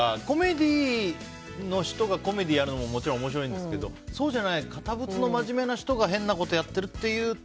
コメディーの人がコメディーやるのももちろん面白いんですけどそうじゃない堅物の真面目な人が変なことをやってるという